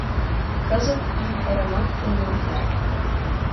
— Кызыт ик ырымат пуэн ом керт.